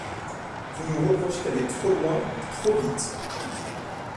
Vous nous reprochez d’aller trop loin, trop vite.